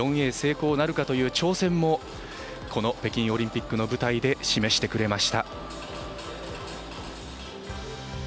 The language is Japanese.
成功なるかという挑戦もこの北京オリンピックの舞台で示してくれました。